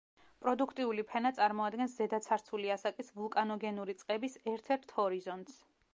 პროდუქტიული ფენა წარმოადგენს ზედაცარცული ასაკის ვულკანოგენური წყების ერთ-ერთ ჰორიზონტს.